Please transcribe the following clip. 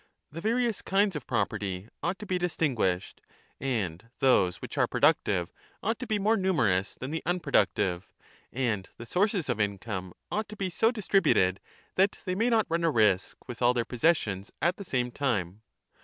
The various kinds of property ought to be distinguished, and those which are productive ought to be more numerous than the unpro ductive, and the sources of income ought to be so distributed that they may not run a risk with all their possessions at the same time.